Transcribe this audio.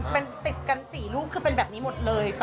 เป็นติดกัน๔ลูกคือเป็นแบบนี้หมดเลย